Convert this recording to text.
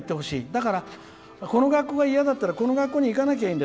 だから、この学校が嫌だったらこの学校に行かなきゃいい。